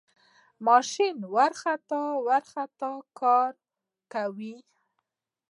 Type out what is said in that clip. ماشین ورخطا ورخطا کار کاوه.